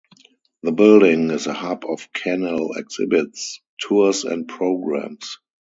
The building is a hub of canal exhibits, tours and programs.